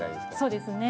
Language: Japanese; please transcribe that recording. そうですね。